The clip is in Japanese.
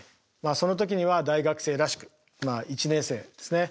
その時には大学生らしく１年生ですね